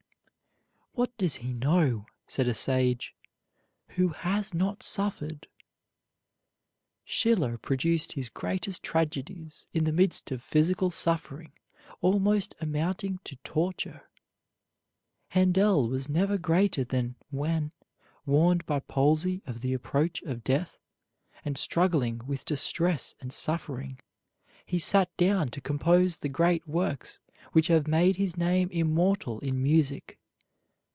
"What does he know," said a sage, "who has not suffered?" Schiller produced his greatest tragedies in the midst of physical suffering almost amounting to torture. Handel was never greater than when, warned by palsy of the approach of death, and struggling with distress and suffering, he sat down to compose the great works which have made his name immortal in music.